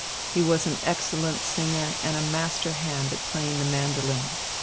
He was an excellent singer and a master hand at playing the mandolin.